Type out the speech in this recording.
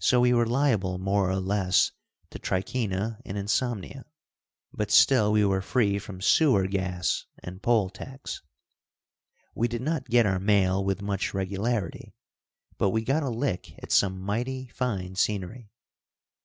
So we were liable more or less to trichina and insomnia, but still we were free from sewer gas and poll tax. We did not get our mail with much regularity, but we got a lick at some mighty fine scenery.